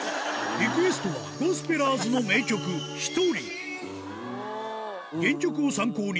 リクエストは、ゴスペラーズの名曲、ひとり。